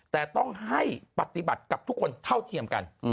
แต่ต้องให้ปฏิบัติกับทุกคนเท่าเทียมกัน